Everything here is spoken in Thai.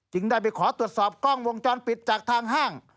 ได้ไปขอตรวจสอบกล้องวงจรปิดจากทางห้าง